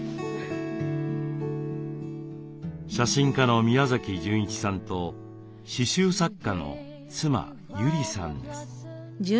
写真家の宮崎純一さんと刺しゅう作家の妻友里さんです。